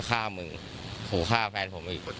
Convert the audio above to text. ขุข้ามือผู้พ่อแฟนผมอีก